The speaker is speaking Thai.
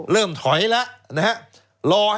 เริ่มถอยแล้วนะฮะ